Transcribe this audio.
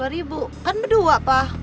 rp dua kan berdua pa